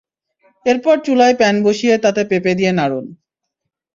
এরপর চুলায় প্যান বসিয়ে তাতে পেঁপে দিয়ে নাড়ুন।